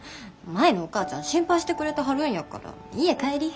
舞のお母ちゃん心配してくれてはるんやから家帰り。